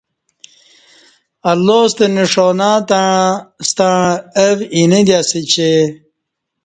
اللہ ستہ نݜانہ تݩع ستݩع او اینہ اسہ چہ